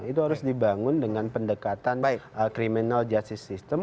itu harus dibangun dengan pendekatan criminal justice system